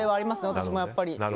私はやっぱり。